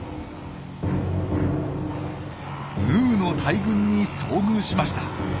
ヌーの大群に遭遇しました。